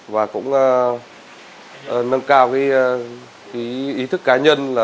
và cũng nâng cao ý thức cá nhân